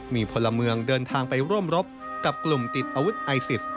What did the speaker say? มีพลเมืองเดินทางไปร่วมรบกับกลุ่มติดอาวุธไอซิส